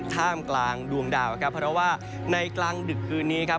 ท่ามกลางดวงดาวครับเพราะว่าในกลางดึกคืนนี้ครับ